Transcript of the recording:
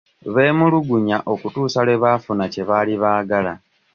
Beemulugunya okutuusa lwe baafuna kye baali baagala.